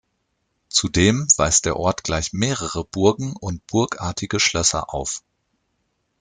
Zudem weist der Ort gleich mehrere Burgen und burgartige Schlösser auf.